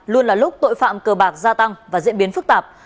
luôn là lúc tội phạm cờ bạc gia tăng và diễn biến phức tạp